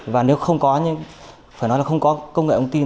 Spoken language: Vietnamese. và nếu không có công nghệ thông tin